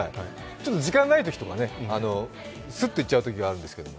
ちょっと時間ないときとか、スッといっちゃうときあるんですけど。